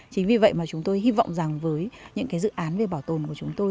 chính vì vậy mà chúng tôi hy vọng rằng với những cái dự án về bảo tồn của chúng tôi